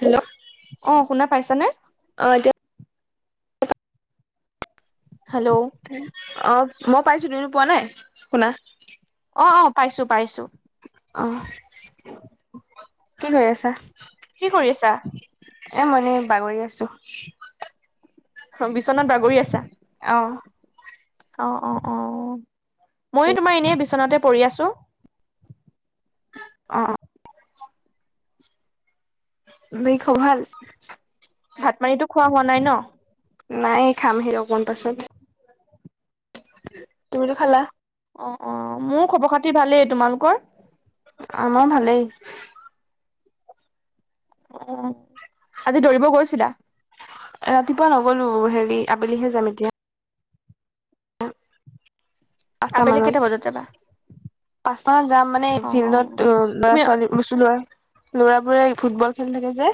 Hello [unintelligible] অঁ শুনা পাইছানে? অ এতিয়া হেল্ল'? অ মই পাইছো, তুমি পোৱা নাই শুনা? অ অ, পাইছোঁ পাইছোঁ। [unintelligible] কি কৰি আছা? কি কৰি আছা? এ মই এনে বাগৰি আছোঁ। অ বিচনাত বাগৰি আছা? অহ। অ, অ, অ। ময়ো তোমাৰ এনেই বিচনাতে পৰি আছো। অ অ। বাকী খবৰ ভাল? ভাত, পানীটো খোৱা হোৱা নাই ন? নাই খামহে অকমান পাছত। তুমিতো খালা? অ অ মোৰ খবৰ খাতিৰ ভালেই, তোমালোকৰ? আমাৰ ভালেই। অ, আজি দৌৰিব গৈছিলা? ৰাতিপুৱা নগলো হেৰি আবেলিহে যাম এতিয়া। পাঁচটা আবেলি মানত। কেইটা বজাত যাবা পাঁচটাত‌ যাম মানে অ ফিল্ডত অ ল'ৰা তুমি ছোৱালী [unintelligible] [unintelligible] ল'ৰাবোৰে ফুটবল খেলি থাকে যে,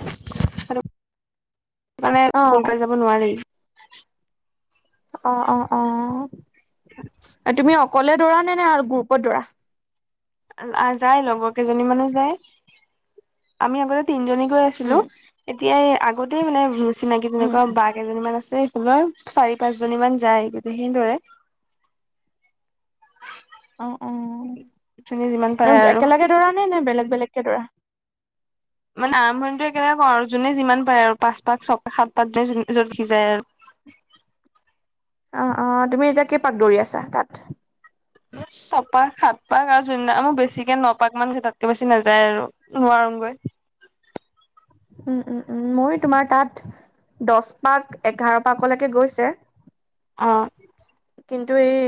সেইটো কাণে অ ভুলকৈ যাব নোৱাৰি। অ, অ, অ। এ তুমি অকলে দৌৰা নে নে গ্ৰুপত দৌৰা? যায় লগৰ কেইজনী মানে যায়। আমি আগতে তিনজনী [unintelligible] আছিলো। উম এতিয়া এই আগতেই মানে চিনাকি উম তেনেকুৱা বা কেইজনীমান আছে। [unintelligible] চাৰি পাঁচজনী মান যায়। গোটেই সেইদৰে অ', অ', যোনে যিমান পাৰে [unintelligible] আৰু একেলগে দৌৰানে নে বেলেগ বেলেগকে দৌৰা? মানে আৰম্ভণিটো একেলগে কৰোঁ আৰু জোনে যিমান পাৰে, আৰু পাঁচ পাক, ছয় পাক, সাত পাক যোনে [unintelligible] য'ত সি যায় আৰু। অ', অ', তুমি এতিয়া কেই পাক দৌৰি আছা তাত? ছপাক, সাত পাক আৰু যোন দিনা বেছিকে ন পাক মান হয়, তাতকে বেছি নেযায় আৰু। নোৱাৰোঁং গৈ। উম, উম, উম। মই তোমাৰ তাত। দছ পাক, এঘাৰ পাকলৈকে গৈছে। অ,। কিন্তু, এই।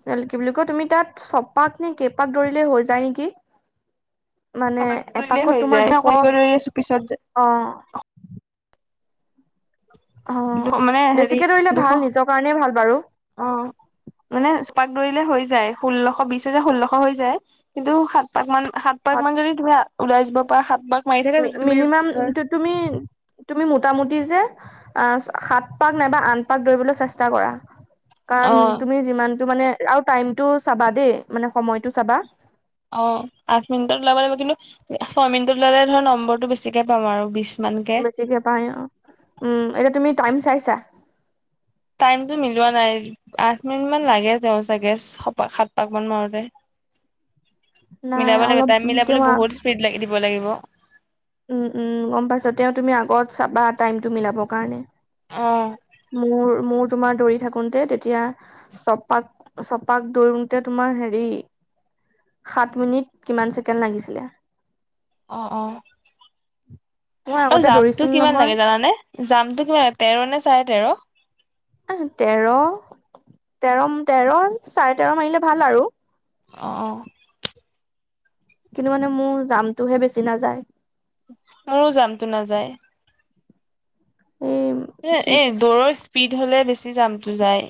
তেতিয়া হ'লে কি বুলি কয় তুমি তাত ছপাক, নে কেইপাক দৌৰিলেই হৈ যায় নেকি? মানে ছপাক দৌৰিলেই এপাকত হৈ তোমাৰ যায়। দুশ [unintelligible] আছোঁ পিছত যে। অ',। অ', মানে হেৰি বেছিকে দৌৰিলে দুশ ভাল, নিজৰ কাৰণে ভাল বাৰু। অ,। মানে ছপাক দৌৰিলে হৈ যায়। ষোল্লশ বিশ হৈ যায়। ষোল্লশ হৈ যায়, কিন্তু, সাত পাক মান সাত অ পাক মান যদি তুমি ওলাই যাব পাৰা, সাত পাক মাৰি থাকা তেতিয়া তুমি মিনিমাম ধৰ ধৰ তুমি, তুমি মোটামুটি যে আ, ছয়, সাত পাক নাইবা আঠ পাক দৌৰিবলৈ চেষ্টা কৰা। অ কাৰণ তুমি যিমানটো মানে, আৰু টাইমটো চাবা দেই, মানে সময়টো চাবা। অ', আঠ মিনিটত ওলাব লাগিব। কিন্তু এ, ছয় মিনটত ওলালে ধৰা নম্বৰটো বেছিকে পাম আৰু বিশ মান কে। যেতিয়া পায় অ, উম, এতিয়া তুমি টাইম চাইছা? টাইমটো মিলোৱা নাই। আঠ মিনিট মান লাগে যায় ছাগে ছয়পাক, সাত পাক মান মাৰোতে। নাই মিলাব লাগিব, অলপ টাইম মিলাবলৈ তেওঁ বহুত স্পীড লাগে, দিব লাগিব। উম, উম, গম পাইছোঁ। তেওঁ তুমি আগত চাবা টাইমটো মিলাবৰ কাৰণে। অ',। মোৰ, মোৰ তোমাৰ দৌৰি থাকোঁতে, তেতিয়া ছপাক, ছপাক দৌৰোতে তোমাৰ হেৰি সাত মিনিট কিমান ছেকেণ্ড লাগিছিলে। অ', অ মই আৰু আগতে জাম্পটো দৌৰিছিলো কিমান নহয় লাগে জানানে? জাম্পটো কিমান তেৰ নে চাৰে তেৰ? আহ তেৰ, তেৰ, তেৰ, চাৰে তেৰ মাৰিলে ভাল আৰু অ', অ। কিন্তু, মানে মোৰ জাম্পটোহে বেছি নাযায়। মোৰো জাম্পটো নাযায়। এই এ, সি এ দৌৰৰ স্পীড হ'লে, বেছি জাম্পটো যায়।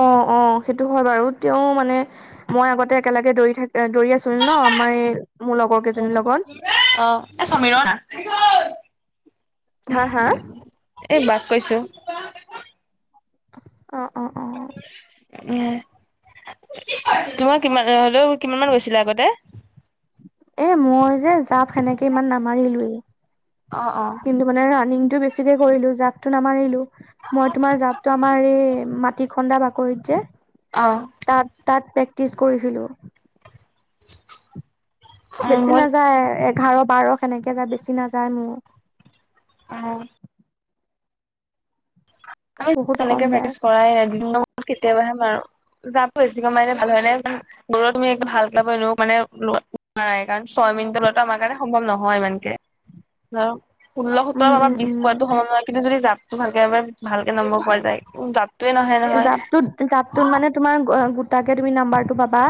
অ', অ', সেইটো হয় বাৰু, তেওঁ মানে মই আগতে একেলগে দৌৰি থাকা, দৌৰি আছিলোঁ ন? আমাৰ এই মোৰ লগৰ কেইজনীৰ অ', লগত অ', এই সমীৰণ হা হা এ, বাক কৈছোঁ। অ', অ', অ। উম, তোমাৰ কিমান হ'লেও, কিমান মান হৈছিলে আগতে? এ, মই যে জাম্প সেনেকে ইমান নামাৰিলোৱেই। অ', অ। কিন্তু মানে ৰানিংটো বেছিকে কৰিলোঁ, জাম্পটো নামাৰিলো, মই তোমাৰ জাম্পটো আমাৰ এই মাটিত খন্দা বাকৰিত যে অ। তাত, তাত প্ৰেক্টিচ কৰিছিলোঁ। অ বেছি মই নাযায় এঘাৰ বাৰ সেনেকে যায় বেছি নাযায় মোৰ। অঁ। বহুত কম নেকে যায় কৰানৰ মূৰত কেতিয়াবাহে মাৰো য বেছ কমাৰ ভাল হয় নাই [unintelligible] দৌৰত তুমি [unintelligible] ভালকাবনো মানেৱা নাই, কাৰণ ছয় মিনিটৰ লোৱাটো আমাৰ কাৰণে সম্ভৱ নহয় ইমানকে। অঁ ষোল্ল সোতৰ, উম পৰা উম বিছ উম পোৱাতটো সম্ভৱ নহয়, কিন্তু যদি জাবতটো ভালকে ভালকে নম্বৰ পৰা যায় নাহে নহয়। জাপটোত জাপটোত মানে তোমাৰ গোটাকে তুমি নাম্বাৰটো পাবা।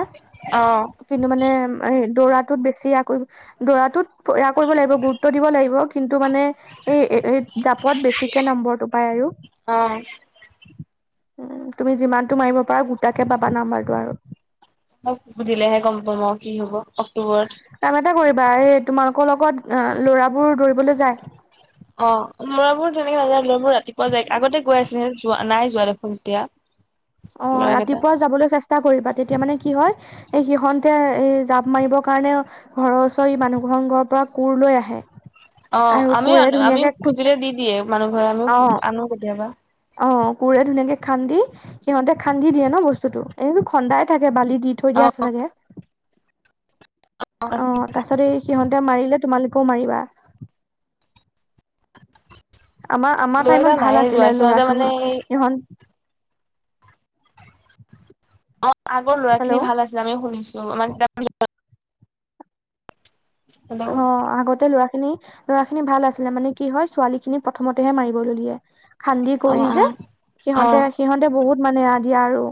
অ', কিন্তু মানে এই দৌৰাটোত বেছি আকৌ দৰাটোত এয়া কৰিব লাগিব গুৰুত্ব দিব লাগিব কিন্তু মানে এই জাপত বেছিকে নম্বৰটো পায় আৰু। অঁ। উন, তুমি যিমানতটো মাৰিব পাৰা গোটাকে পাবা নাম্বাৰটো আৰু। অঁ, সুধিলেহে গম পাম আৰু, কি হব অক্টোবৰত। কাম এটা কৰিবা এই তোমালোকৰ লগত ল'ৰাবোৰ দৌৰিবলৈ যায় অঁ, লৰাবোৰ তেনেকে নাযায় লৰাবোৰ ৰাতিপুৱা যায় আগতে গৈ আছিল যোৱা নাই যোৱা দেখোন এতিয়া। [inaudible] অঁ, ল'ৰাকেইটা ৰাতিপুৱা যাবলৈ চেষ্টা কৰিবা তেতিয়া মানে কি হয় এই সিহতে এ, জাপ মাৰিবৰ কাৰণে ঘৰৰ ওচৰৰ মানুহ ঘৰৰ পৰা কোৰ লৈ আহে। অঁ, আৰু আমিও কোৰে আনো আমিও ধুনীয়াকে খুজিলে দি দিয়ে মানুহ ঘৰে আমি আনো কেতিয়াবা। অঁ, কোৰেৰে ধুনীয়াকে খান্দি সিহঁতে খান্দি দিয়ে ন বস্তুতটো এনেটো খন্দাই থাকে বালি দি থৈ দিয়া অ', আছে চাগে। অঁ, তাৰ পিছত এই সিহঁতে মাৰিলে তোমালোকেও মাৰিবা। আমাৰ আমাৰ ল'ৰাকেইটা টাইমত ভাল নায়ে যোৱা আছিলে সিহঁতে ল'ৰা মানে খিনি এই সিহন অঁ, আগৰ ল'ৰা খিনি হেল্ল' ভাল আছিল আমি শুনিছো মানে অ', অঁ, আগতে ল'ৰা খিনি লৰা খিনি ভাল আছিলে মানে কি হয় ছোৱালী খিনি প্ৰথমতেহে মাৰিব লৈ দিয়ে। খান্দি কৰি অ', যে সিহঁতে, অ', সিহঁতে বহুত মানে এয়া দিয়ে আৰু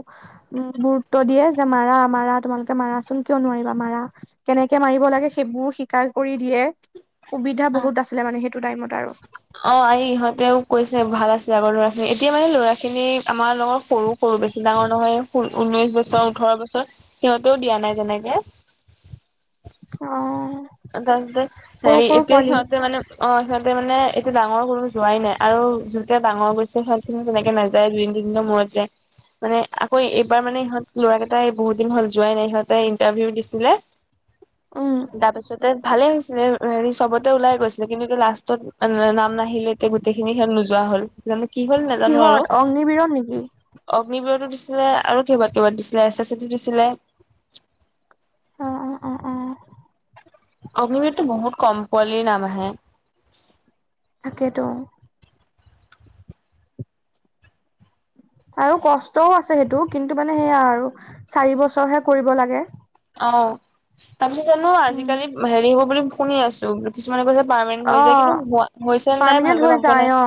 উম, গুৰুত্ব দিয়ে যে মাৰা, মাৰা তোমালোকে মাৰাচোন কিয় নোৱাৰিবা মাৰা। কেনেকে মাৰিব লাগে, সেইবোৰ শিকাই কৰি দিয়ে সুবিধা বহুত আছিলে মানে সেইটো টাইমত আৰু। অঁ, এই ইহঁতেও কৈছে ভাল আছিল, আগৰ লৰা খিনি এতিয়া মানে ল'ৰা খিনি আমাৰ লগৰ সৰু সৰু বেছি ডাঙৰ নহয় ঊনৈশ বছৰ, ওঠৰ বছৰ সিহঁতেও দিয়া নাই যেনেকে অঁ। তাৰপিছতে হেৰি এতিয়া সিহঁতে মানে অঁ, সিহঁতে মানে এইটো ডাঙৰ কোনো যোৱাই নাই আৰু যোতে ডাঙৰ গৈছে সিহঁতে তেনেকে নাযায় দুই তিনি দিনৰ মূৰত যায়। মানে আকৌ এইবাৰ মানে ইহত লৰাকেইটাই বহুত দিন হল যোৱাই নাই, সিহঁতে ইণ্টাৰভিউ দিছিলে উম তাৰপিছত ভালে হৈছিলে হেৰি চবতে ওলাই গৈছিলে কিন্তু লাষ্টত নাম নাহিলে এতিয়া গোটেইখিনি খেল নোযোৱা হ'ল। জানো কি হ'ল নাজানো আৰু কিহত অগ্নিবিৰত নেকি অগ্নিবৰতো দিছিলে, আৰু কিহবাত কিহবাত দিছিলে এছ, এছ, চি দিছিলে। অঁ, অ, অ, অ। অগ্নিবিৰটো বহুত কম পোৱালিৰ নাম আহে। তাকেতো। আৰু কষ্টও আছে সেইটো কিন্তু মানে সেয়া আৰু চাৰি বছৰ'হে কৰিব লাগে। অঁ', তাৰপিছত জানো উম আজিকালি হেৰি হ'ব বুলি শুনি আছো। কিছুমানে কৈছে পাৰ্মমেনেণ্ট হৈ যায় অ কিন্তু হৈছে নাই ভালকে গম পোৱা নাই।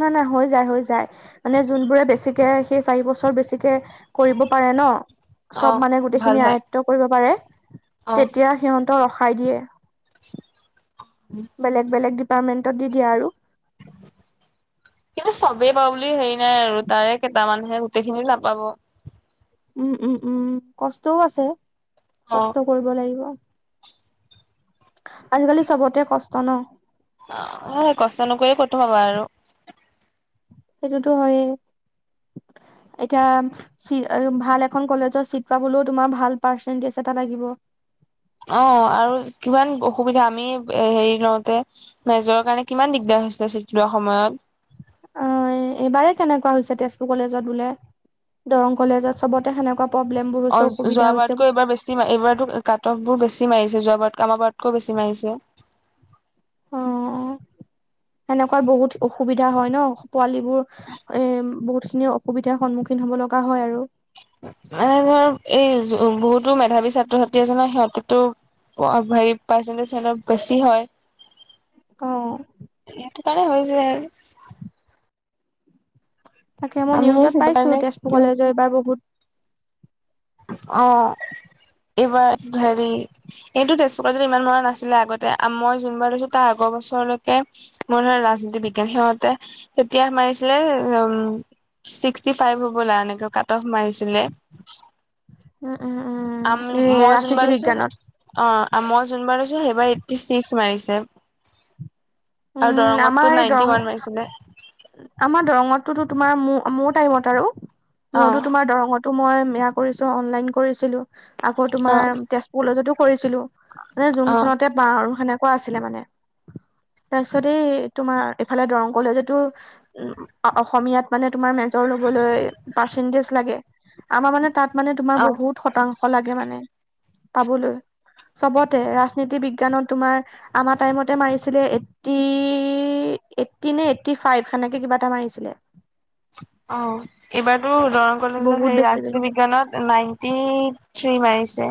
নাই-নাই, হৈ যায়, হৈ যায়। মানে যোনবোৰে বেছিকে সেই চাৰিবছৰ বেছিকে কৰিব পাৰে ন'- অ চব মানে ভাল গোটেইখিনি হয় আয়ত্ব কৰিব পাৰে অ তেতিয়া সিহঁতক ৰখাই দিয়ে। বেলেগ-বেলেগ ডিপাৰ্টমেন্টত দি-দিয়ে আৰু। কিন্তু চবেই পাব বুলি হেৰি নাই আৰু তাৰে কেইটামান মানুহে গোটেই খিনিও নাপাব। উম-উম-উম। কষ্টও আছে অ কষ্ট - কৰিব লাগিব আজিকালি চবতে কষ্ট ন'। অঁ', সেই কষ্ট নকৰি ক'তনো পাবা আৰু। সেইটোতো হয়েই। এতিয়া - ভাল এ কলেজত চিট পাবলো তোমাৰ ভাল পাৰ্চেন্টিছ লাগিব। অঁ', আৰু কিমান অসুবিধা আমি হেৰি লওঁতে- মেজৰ কাৰণে কিমান দিগদাৰ হৈছিলে চিট লোৱা সময়ত। অঁ', এইবাৰে তেনেকুৱা হৈছে তেজপুৰ কলেজত বোলে। দৰং কলেজত চবতে সেনেকুৱা - প্ৰব্লেমবোৰ। হৈছে অঁ', অসুবিধা যোৱা হৈছে বাৰতকৈ এইবাৰ বেছি এইবাৰটো কাটববোৰ বেছি মাৰিছে যোৱাবাৰত আমাৰকৈ বেছি মাৰিছে। অ [inaudible] সেনেকুৱা বহুত অসুবিধা হয় ন' পোৱালীবোৰ এ' বহুতখিনি অসুবিধাৰ সন্মুখীন হ'ব লগা হয় আৰু। মানে ধৰ এই বহুতো মেধাৱী ছাত্ৰ-ছাত্ৰী আছে সিহঁতে তো - হেৰি পাৰ্চেণ্টিছ সিহঁতৰ অলপ বেছি হয়। অঁ। সেইটো কাৰণে হৈ যায়। তাকে, মই আমিও নিউজত সেইটো পাইছো কাৰণে তেজপুৰ কি কলেজৰ এইবাৰ বহুত - অঁ', এইবাৰ হেৰি - এইটো তেজপুৰত ইমান মৰা নাছিলে আগতে, মই যোনবাৰ লৈছোঁ তাৰ আগৰ বছৰলৈকে - মোৰ ধৰ ৰাজনীতি বিজ্ঞান সিহঁতে তেতিয়া মাৰিছিলে উমঁ- ছিক্সটি ফাইভ হ'বলা এনেকে কাটব অফ মাৰিছিলে। উম-উম-উম। মই যোনবাৰ লৈছো অঁ', মই যোনবাৰ লৈছো সেইবাৰ একটিক্স মাৰিছে। আৰু উম দৰঙতো আমাৰ এই দৰং নাইনটি ওৱান মাৰিছিলে। আমাৰ দৰঙতো তো তোমাৰ ম-মোৰ টাইমত আৰু, অ মইতো তোমাৰ দৰঙত মই সেয়া কৰিছো অনলাইন কৰিছিলো, আকৌ অ তোমাৰ তেজপুৰ কলেজতো কৰিছিলো। মানে অ যোনখনতে পাওঁ আৰু সেনেকুৱা আছিলে মানে। তাৰপিছতে এই তোমাৰ এইফালে দৰং কলেজতো উমঁ' অসমীয়াত মানে তোমাৰ মেজ- ৰ লবলৈ পাৰ্চেন্টিছ লাগে। আমাৰ মানে তোমাৰ তা'ত বহুত শতাংশ - লাগে মানে- পাবলৈ। চবতে ৰাজনীতি বিজ্ঞানত তোমাৰ আমাৰ টাইমতে মাৰিছিলে - এইটটি, এইটটিন নে এইট্টি ফাইভ সেনেকে কিবা এটা মাৰিছিলে। অঁ', এইবাৰতো দৰং কলেজৰ বহুত সেই বেছি ৰাজনীতি লাগে। বিজ্ঞানত নাই। টি, থ্ৰী মাৰিছে।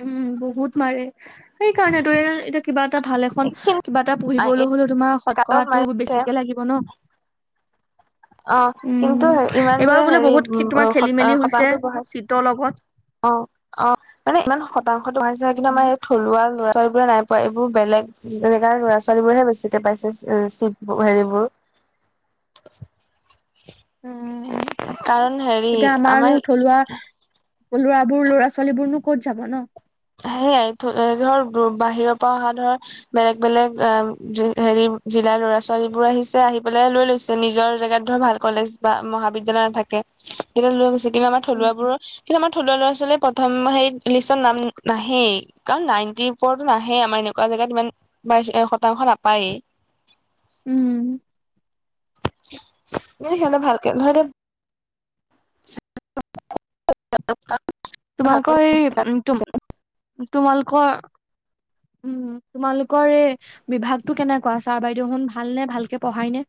উম বহুত মাৰে সেইকাৰণ ত এতিয়া কিবা এটা ভাল, এখন কিবা এটা পঢ়িবলৈ হলেও তোমাৰ কাট অফ সৎকৰাতো মাৰিছে বেছিকে লাগিব ন। অ উম, কিন্তু ইমান যে এইবাৰ বোলে হেৰি বহুত খে- তোমাৰ খেলি হতা মেলি হৈছে হতাহতো বহাইছে। চিটৰ লগত। অ অ মানে ইমান শতাংশটো বহাইছে কিন্তু আমাৰ থলুৱা ল'ৰা ছোৱালবোৰে নাই, এইবোৰ বেলেগ জেগাৰ ল'ৰা ছোৱালী বোৰেহে বেছিকে পাইছে চি হেৰিবোৰ, উম, কাৰণ হেৰি অ এতিয়া আমাৰো আমাৰ থলুৱা, ল'ৰাবোৰ ল'ৰা ছোৱালী বোৰনো ক'ত যাব ন? সেয়াই ধৰ বাহিৰৰ পৰা অহা ধৰ, বেলেগ বেলেগ অ হেৰি জিলাৰ লৰা ছোৱালী বোৰ আহিছে আহি পেলাই লৈ লৈছে নিজৰ জেগাত ধৰ ভাল, কলেজ বা মহাবিদ্যালয় নাথাকে যেতিয়া লৈ গৈছে, তুমি আমাৰ উম, থলুৱা বোৰৰ কিন্তু আমাৰ থলুৱা ল'ৰা ছোৱালী প্ৰথম লিষ্টৰ নাম। নাহেই কাৰণ নাইনটি ওপৰত নাহেই আমাৰ এনেকুৱা জেগাত ইমান বাই শতাংশ নাপায়েই। উম সিহঁতে ভালকে নহয় দে, [unintelligible] ত [unintelligible] তোমালোকৰ এই উম তোম তোমালোকৰ, উম তোমালোকৰ এই বিভাগটো কেনেকুৱা ছাৰ বাইদেউ শুন ভালনে, ভালকে পঢ়াই নে?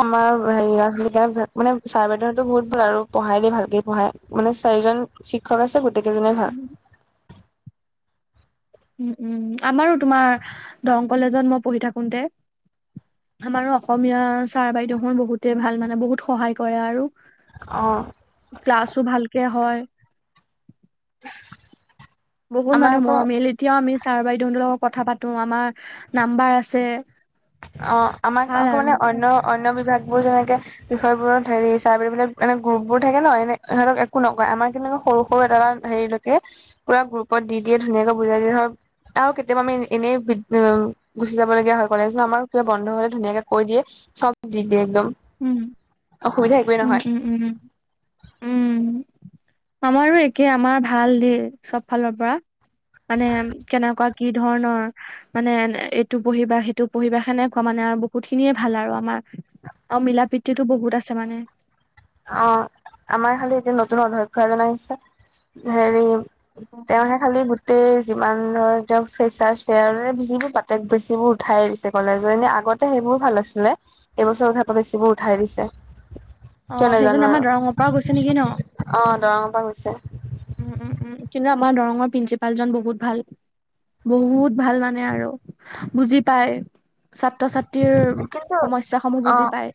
আমাৰ হেৰি লৰা' ছোৱালী বিৰাত ভাল মানে ছাৰ বাইদেউহঁতো বহুত ভাল আৰু পঢ়াই দে ভালকে পঢ়াই মানে চাৰিজন, শিক্ষক আছে গোটেইকেইজনে ভাল। উম, উম উম আমাৰো তোমাৰ দৰং কলেজত মই পঢ়ি থাকোতে, আমাৰো অসমীয়া ছাৰ বাইদেউসুন বহুতে ভাল মানে বহুত সহায় কৰে আৰু, অঁহ ক্লাছো ভালকে হয়। [unintelligible] বহুত আমাৰ মানুহে আকৌ মৰমিয়াল এতিয়াও আমি ছাৰ বাইদউতৰ লগত কথা পাতো আমাৰ নাম্বাৰ আছে। অ আমাক ভাল আকৌ আৰু মানে অন্য অন্য বিভাগ বোৰ যেনেকে, বিষয়বোৰত হেৰি চাৰ বাইদেউ বিলাক এনে গ্ৰুপবোৰ থাকে ন এনে সিহঁতক একো নকয় আমাৰ কিন্ত সৰু সৰু এটা, হেৰিলৈকে পুৰা গ্ৰুপত দি দিয়ে ধুনীয়াকে বুজাই দিয়ে ধৰ, আৰু কেতিয়াবা আমি এনে গুচি যাব লগীয়া হয় কলেজ, আমাৰ কিবা বন্ধ হলে ধুনীয়াকে কৈ দিয়ে চব দি দিয়ে একদম। উম অসুবিধা, একোৱেই উম নহয়। উম উম উম উম, আমাৰো একে আমাৰো ভাল দেই চব ফালৰ পৰা। মানে কেনেকুৱা কি ধৰণৰ, মানে এইটো পঢ়িবা সেইটো পঢ়িবা সেনেকুৱা মানে আৰু বহুত খিনিয়ে ভাল আৰু আমাৰ। অ মিলা প্ৰিতিতো বহুত আছে মানে। অ আমাৰ খালি এতিয়া নতুন অধ্যক্ষ এজন আহিছে হেৰি, তেওঁহে খালি, গোটৈই যিমান ধৰ তেওঁ ফেচাচ ফেয়াৰবোৰ পাতে বেছিবোৰ উঠাই দিছে কলেজৰ এনে আগত, সেইবোৰো ভাল আছিলে এইবছৰ ক্ষেত্ৰত বেছিবোৰ উঠাই দিছে। কিয় অহ নাজানো সেইজন আমাৰ আৰু দৰঙৰ পৰা গৈছে নেকি ন, অ দৰঙৰ পৰা গৈছে উম উম উম কিন্তু আমাৰ দৰঙৰ প্ৰিন্ঞ্চিপালজন বহুত ভাল। বহুত ভাল মানে আৰু বুজি পাই। ছাত্ৰ ছাত্ৰীৰ কিন্তু সমস্যা সমূহ অ বুজি পায়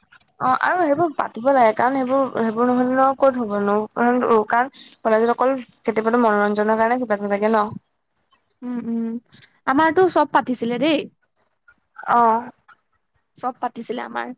অ আৰু সেইবোৰ পাতিব লাগে কাৰণ সেইবোৰ সেইবোৰ নহ'লে ন ক'ত হ'বনো কাৰণ ক'লেজত অকল কেতিয়াবাতো মনোৰঞ্জনৰ কাৰণে কিবাটো থাকে ন উম উম আমাৰতো চব পাতিছিলে দেই অহ চব পাতিছিলে আমাৰ